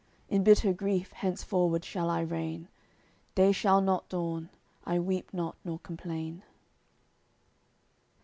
In bitter grief henceforward shall I reign, Day shall not dawn, I weep not nor complain.